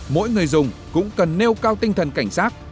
mỗi người dùng cũng cần nêu cao tinh thần cảnh sát